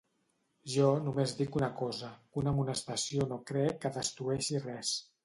Jo només dic una cosa, que una amonestació no crec que destrueixi res.